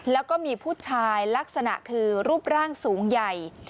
แล้วก็มีผู้ชายรูปร่างสูงใหญ่